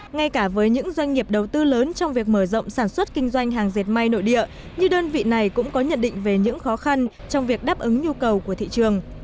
ngay cả với những doanh nghiệp đầu tư lớn trong việc mở rộng sản xuất kinh doanh hàng dệt may nội địa như đơn vị này cũng có nhận định về những khó khăn trong việc đáp ứng nhu cầu của thị trường